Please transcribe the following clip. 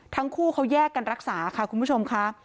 ทั้งคู่เขาแยกกันรักษาค่ะคุณผู้ชมค่ะ